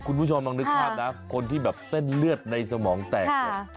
คุณผู้ชมลองนึกภาพนะคนที่แบบเส้นเลือดในสมองแตกเนี่ย